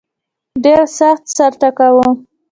ډېر سخت سر ټکاوه.